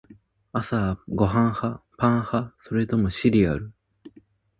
朝はご飯派？パン派？それともシリアル？